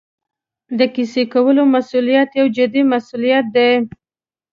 د کیسې کولو مسوولیت یو جدي مسوولیت دی.